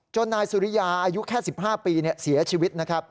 จนนายสุริยาอายุแค่๑๕ปีเสียชีวิต